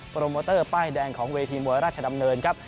โมเตอร์ป้ายแดงของเวทีมวยราชดำเนินครับ